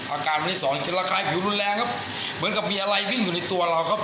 อาการวันที่สองจะระคายผิวรุนแรงครับเหมือนกับมีอะไรวิ่งอยู่ในตัวเราครับ